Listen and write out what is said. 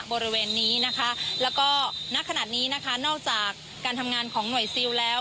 บริเวณนี้นะคะแล้วก็ณขณะนี้นะคะนอกจากการทำงานของหน่วยซิลแล้ว